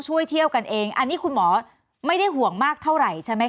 เที่ยวเที่ยวกันเองอันนี้คุณหมอไม่ได้ห่วงมากเท่าไหร่ใช่ไหมค